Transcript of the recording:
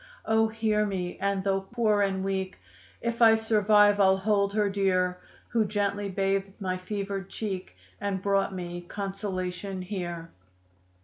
"Oh, hear me, and, though poor and weak, If I survive I'll hold her dear, Who gently bathed my fevered cheek And brought me consolation here."